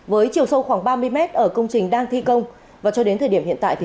với chiều sâu khoảng ba mươi mét ở công trình đang thi công và cho đến thời điểm hiện tại